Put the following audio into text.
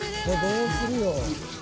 どうするよ？